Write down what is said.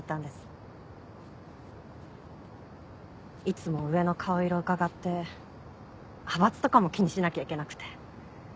いつも上の顔色うかがって派閥とかも気にしなきゃいけなくて。